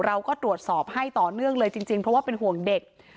เราก็ตรวจสอบให้ต่อเนื่องเลยจริงเพราะว่าเป็นห่วงเด็ก